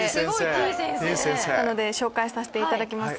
紹介させていただきます。